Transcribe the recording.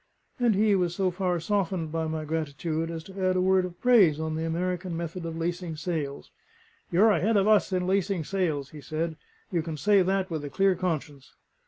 And he was so far softened by my gratitude as to add a word of praise on the American method of lacing sails. "You're ahead of us in lacing sails," he said. "You can say that with a clear conscience."